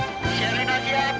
anjing pada giris patah